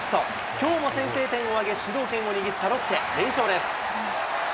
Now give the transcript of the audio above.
きょうも先制点を挙げ、主導権を握ったロッテ、連勝です。